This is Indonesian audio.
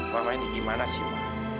mama ini gimana sih mak